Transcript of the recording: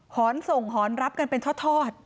หอนส่งหอนรับกันเป็นทอด